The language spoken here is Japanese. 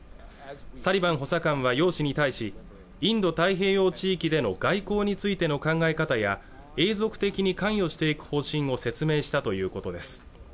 サリバン補佐官は楊氏に対しインド太平洋地域での外交についての考え方や永続的に関与していく方針を説明したということです